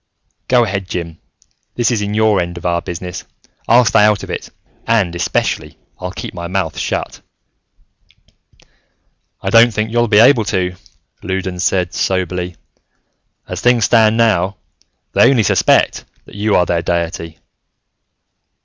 "Go ahead, Jim, this is your end of our business. I'll stay out of it and, especially, I'll keep my mouth shut." "I don't think you'll be able to," Loudons said soberly. "As things stand now, they only suspect that you are their deity.